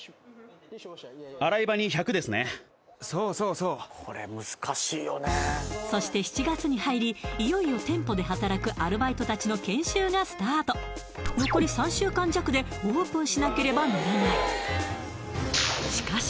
そうそして７月に入りいよいよ店舗で働くアルバイト達の研修がスタート残り３週間弱でオープンしなければならないしかし